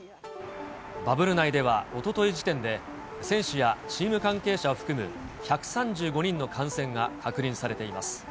バブル内では、おととい時点で、選手やチーム関係者を含む１３５人の感染が確認されています。